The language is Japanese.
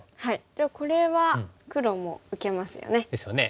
じゃあこれは黒も受けますよね。ですよね。